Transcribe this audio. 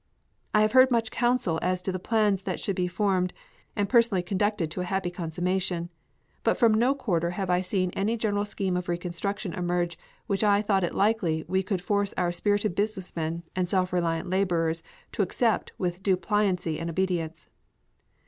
I have heard much counsel as to the plans that should be formed and personally conducted to a happy consummation, but from no quarter have I seen any general scheme of reconstruction emerge which I thought it likely we could force our spirited businessmen and self reliant laborers to accept with due pliancy and obedience.